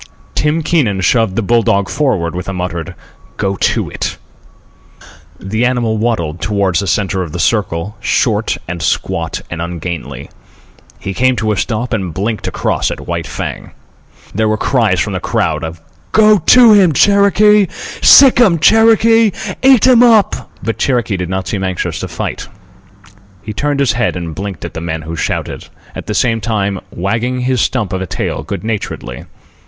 Tim Keenan shoved the bull dog forward with a muttered "Go to it." The animal waddled toward the centre of the circle, short and squat and ungainly. He came to a stop and blinked across at White Fang. There were cries from the crowd of, "Go to him, Cherokee! Sick 'm, Cherokee! Eat 'm up!" But Cherokee did not seem anxious to fight. He turned his head and blinked at the men who shouted, at the same time wagging his stump of a tail good naturedly.